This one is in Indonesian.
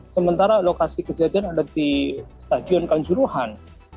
sementara lokasi kejadian ada di stadion kanjuruhan